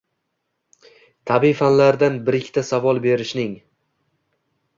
tabiiy fanlardan bir-ikkita savol berishning